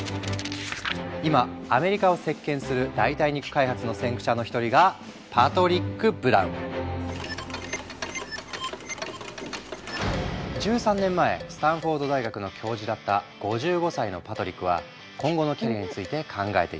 今アメリカを席巻する代替肉開発の先駆者の一人が１３年前スタンフォード大学の教授だった５５歳のパトリックは今後のキャリアについて考えていた。